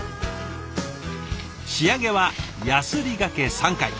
仕上げはやすりがけ３回。